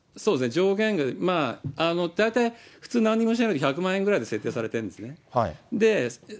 上限が大体、普通、なんにもしないと１００万円ぐらい設定されてるんですね。